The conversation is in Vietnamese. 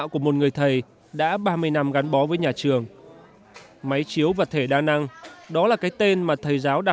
các cô đang ngày ngày tháp lên ngọn lửa